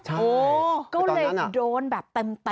ก็เลยโดนแบบเต็ม